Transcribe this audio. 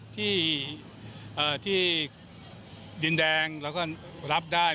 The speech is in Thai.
ที่ดินแดงแล้วก็รับได้